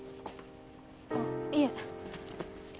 あっいえ。